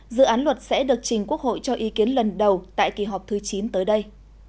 dự án luật sẽ được trình quốc hội cho ý kiến lần đầu tại kỳ họp thứ chín tới đây